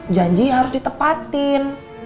janji harus ditepatin